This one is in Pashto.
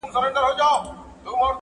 او انځورونه خپروي